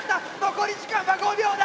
残り時間は５秒だ！